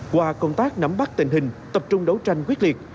qua công tác nắm bắt tình hình tập trung đấu tranh quyết liệt